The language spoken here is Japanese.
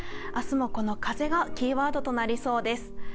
明日もこの風がキーワードとなりそうです。